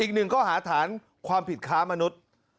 อีกหนึ่งข้อหาฐานความผิดค้ามนุษย์